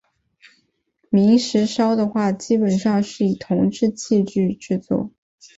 明石烧的话基本上是以铜制器具制作。